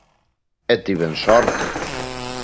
E tiven sorte.